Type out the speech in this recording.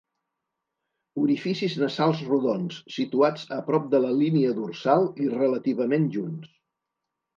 Orificis nasals rodons, situats a prop de la línia dorsal i relativament junts.